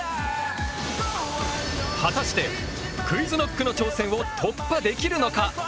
果たしてＱｕｉｚＫｎｏｃｋの挑戦を突破できるのか！？